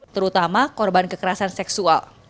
terutama korban kekerasan seksual